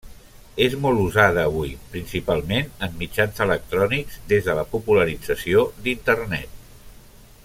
És molt usada avui, principalment en mitjans electrònics, des de la popularització d'internet.